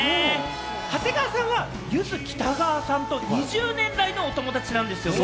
長谷川さんはゆず・北川さんと２０年来のお友達なんですよね？